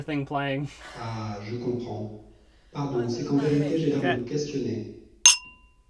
Ah ! je comprends … Pardon, c'est qu'en vérité, j'ai l'air de vous questionner.